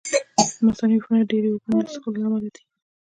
د مثانې عفونت ډېرې اوبه نه څښلو له امله دی.